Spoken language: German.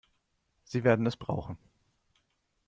Sie werden es brauchen.